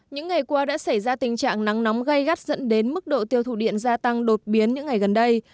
những ngày qua đã xảy ra tình trạng nắng nóng gây gắt dẫn đến mức độ tiêu thụ điện gia tăng đột biến những ngày gần đây